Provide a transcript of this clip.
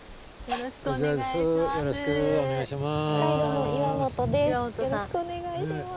よろしくお願いします。